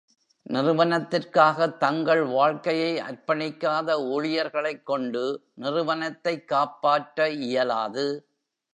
நிறுவனத்திற்காக தங்கள் வாழ்க்கையை அர்ப்பணிக்காத ஊழியர்களைக் கொண்டு நிறுவனத்தைக் காப்பாற்ற இயலாது.